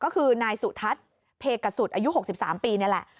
ก็คือนายสุทัศน์เพกสุดอายุ๖๓ปีนี่แหละ